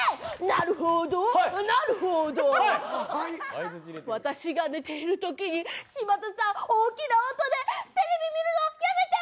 なるほど、なるほど私が寝ているときに柴田さん、大きな音でテレビ見るのやめて！